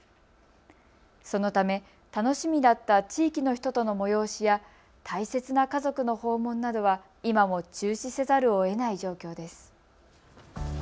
そのため楽しみだった地域の人との催しや大切な家族の訪問などは今も中止せざるをえない状況です。